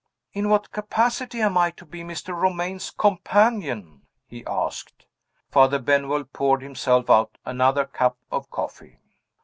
"In what capacity am I to be Mr. Romayne's companion?" he asked. Father Benwell poured himself out another cup of coffee.